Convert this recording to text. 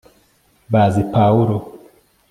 bazi pawulo